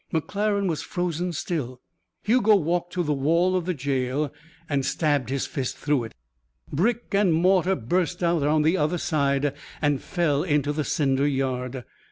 McClaren was frozen still. Hugo walked to the wall of the jail and stabbed his fist through it. Brick and mortar burst out on the other side and fell into the cinder yard.